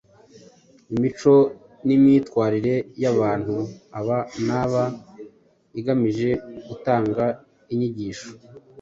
imico n’imyitwarire y’abantu aba n’aba igamije gutanga inyigisho